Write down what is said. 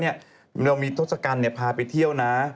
เรามีทศกัณฐ์พาไปเที่ยวนะ